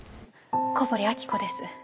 小堀明子です。